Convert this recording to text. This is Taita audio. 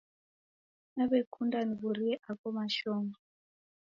Naw'ekunda niw'urie agho mashomo.